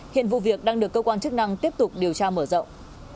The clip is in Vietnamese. hiện vụ việc đang được cơ quan chức năng tiếp tục điều tra mở rộng